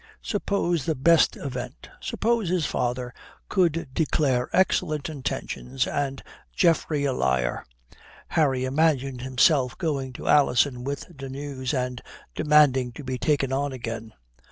Suppose the best event: suppose his father could declare excellent intentions and Geoffrey a liar. Harry imagined himself going to Alison with the news and demanding to be taken on again.